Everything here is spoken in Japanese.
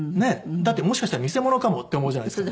だってもしかしたら偽者かもって思うじゃないですか。